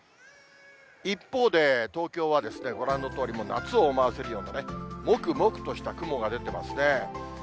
一方で、東京はご覧のとおり、夏を思わせるような、もくもくとした雲が出てますね。